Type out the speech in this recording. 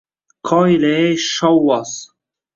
Qoyilley, shovvoz!